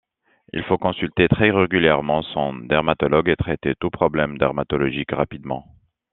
Il faut consulter très régulièrement son dermatologue et traiter tout problème dermatologique rapidement.